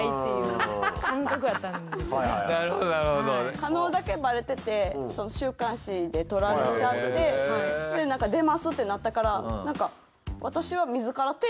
加納だけはバレてて週刊誌で撮られちゃってなんか出ますってなったから。